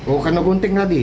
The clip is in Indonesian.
oh karena gunting tadi